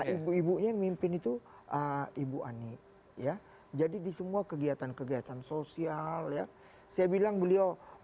ibu ibunya yang mimpin itu ibu ani ya jadi di semua kegiatan kegiatan sosial ya saya bilang beliau